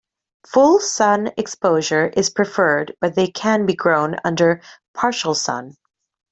Full sun exposure is preferred but they can be grown under partial sun.